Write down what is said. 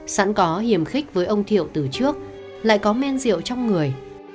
sẵn có hiểm khích với ông thiệu từ trước lại có men rượu trong người